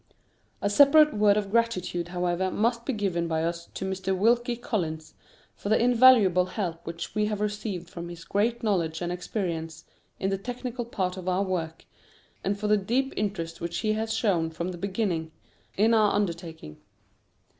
A separate word of gratitude, however, must be given by us to Mr. Wilkie Collins for the invaluable help which we have received from his great knowledge and experience, in the technical part of our work, and for the deep interest which he has shown from the beginning, in our undertaking.